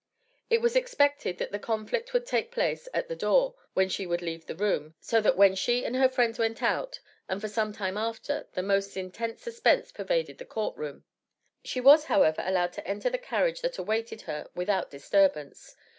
It was expected that the conflict would take place at the door, when she should leave the room, so that when she and her friends went out, and for some time after, the most intense suspense pervaded the court room. She was, however, allowed to enter the carriage that awaited her without disturbance.